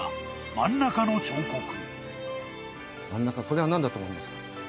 真ん中これは何だと思いますか？